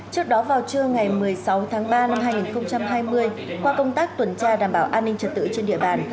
trước đó vào trưa ngày một mươi sáu tháng ba năm hai nghìn hai mươi qua công tác tuần tra đảm bảo an ninh trật tự trên địa bàn